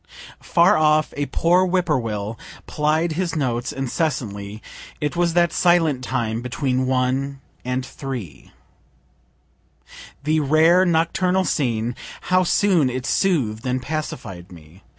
Far off a poor whip poor will plied his notes incessantly. It was that silent time between 1 and 3. The rare nocturnal scene, how soon it sooth'd and pacified me!